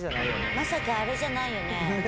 まさかあれじゃないよね？